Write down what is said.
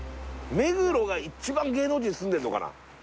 目黒が一番芸能人住んでんのかな？